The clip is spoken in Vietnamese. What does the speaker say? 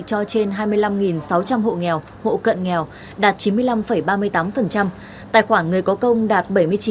cho trên hai mươi năm sáu trăm linh hộ nghèo hộ cận nghèo đạt chín mươi năm ba mươi tám tài khoản người có công đạt bảy mươi chín